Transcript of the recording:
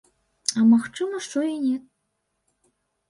А магчыма, што і не.